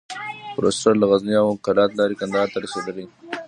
فورسټر له غزني او قلات لاري کندهار ته رسېدلی.